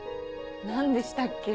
何でしたっけ？